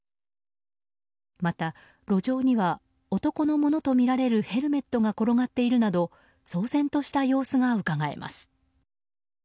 また、路上には男のものとみられるヘルメットが転がっているなど騒然とした様子がうかがえます。